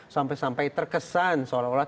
sampai sampai terkesan seolah olah